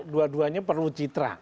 dua duanya perlu citra